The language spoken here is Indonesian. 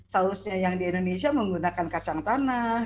sausnya yang di indonesia menggunakan kacang tanah